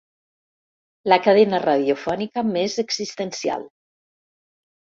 La cadena radiofònica més existencial.